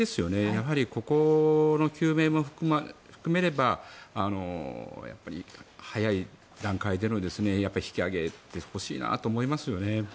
やはりここの究明も含めれば早い段階で引き揚げてほしいなと思いますよね。